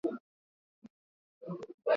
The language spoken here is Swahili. Au mto wa Magharibi na Mekong au mto wa Lulu